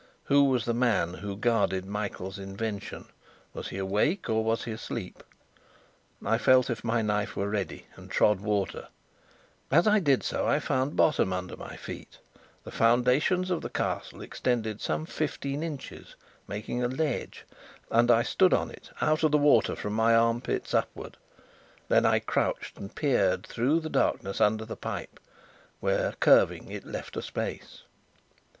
Who was the man who guarded Michael's invention? Was he awake or was he asleep? I felt if my knife were ready, and trod water; as I did so, I found bottom under my feet. The foundations of the Castle extended some fifteen inches, making a ledge; and I stood on it, out of water from my armpits upwards. Then I crouched and peered through the darkness under the pipe, where, curving, it left a space.